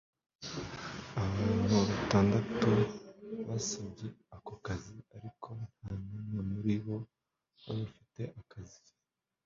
Abantu batandatu basabye ako kazi, ariko nta n'umwe muri bo wari ufite akazi